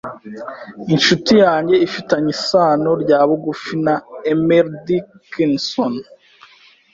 Inshuti yanjye ifitanye isano rya bugufi na Emily Dickinson.